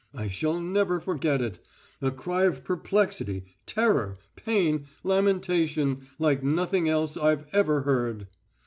I shall never forget it. A cry of perplexity, terror, pain, lamentation, like nothing else I've ever heard.